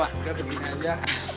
udah begini aja